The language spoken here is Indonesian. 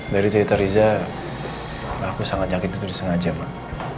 dari cerita riza aku sangat jangkit itu disengaja mak